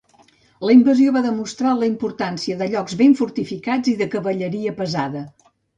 La invasió va demostrar la importància de llocs ben fortificats i de cavalleria pesada.